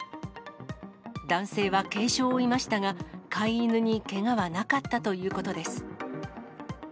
男性は軽傷を負いましたが、飼い犬にけがはなかったということです。